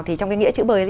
thì trong cái nghĩa chữ bơi